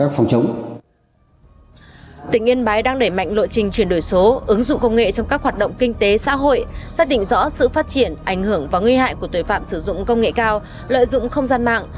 tỉnh yên bái đang đẩy mạnh lộ trình chuyển đổi số ứng dụng công nghệ trong các hoạt động kinh tế xã hội xác định rõ sự phát triển ảnh hưởng và nguy hại của tội phạm sử dụng công nghệ cao lợi dụng không gian mạng